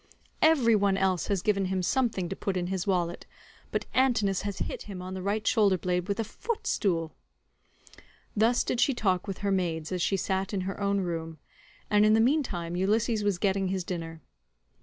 Every one else has given him something to put in his wallet, but Antinous has hit him on the right shoulder blade with a footstool." Thus did she talk with her maids as she sat in her own room, and in the meantime Ulysses was getting his dinner.